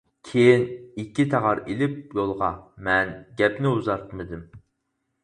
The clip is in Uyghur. كېيىن ئىككى تاغار ئېلىپ يولغا. مەن گەپنى ئۇزارتمىدىم.